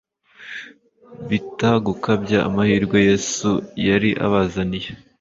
Bita gukabya amahirwe Yesu yari abazaniye.